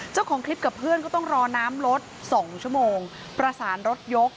เจ้าของคลิปกับเพื่อนก็ต้องรอน้ำลด๒ชั่วโมงประสานรถยก